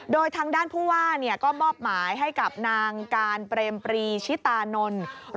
โดยทางด้านผู้ว่าก็มอบหมายให้กับนางการเปรมปรีชิตานนท์